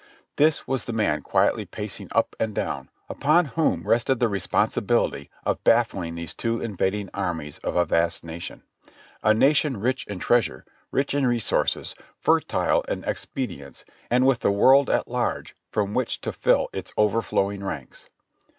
This was the man quietly pacing up and down, upon whom rested the responsibility of baffling these two invading armies of a vast nation; a nation rich in treasure, rich in resources, fertile in expedients, and with the world at large from which to fill its overflowing ranks.